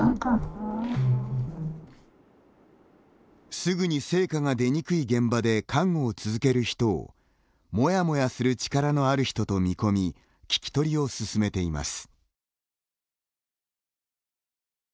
すぐに成果が出にくい現場で看護を続ける人をモヤモヤする力のある人と見込み聞き取りを進めています。